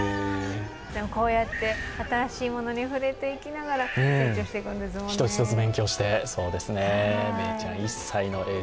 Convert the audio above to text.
でも、こうやって新しいものに触れていきながら成長していくんですもんね。